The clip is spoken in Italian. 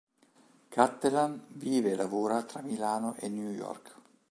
Cattelan vive e lavora tra Milano e New York.